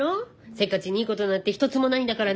せっかちにいいことなんて一つもないんだからね。